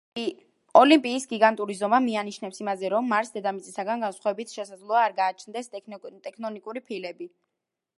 ოლიმპის გიგანტური ზომა მიანიშნებს იმაზე, რომ მარსს დედამიწისგან განსხვავებით შესაძლოა არ გააჩნდეს ტექტონიკური ფილები.